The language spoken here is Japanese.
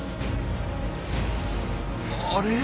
あれ？